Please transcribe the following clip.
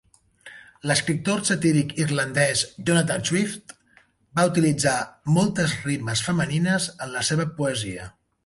L'escriptor satíric irlandès Jonathan Swift va utilitzar moltes rimes femenines en la seva poesia.